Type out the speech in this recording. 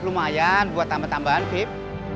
lumayan buat tambahan tambahan afif